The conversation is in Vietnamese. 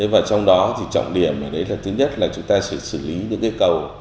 và trong đó thì trọng điểm là thứ nhất là chúng ta sẽ xử lý những cây cầu